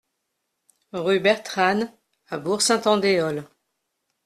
Rue Bertranne à Bourg-Saint-Andéol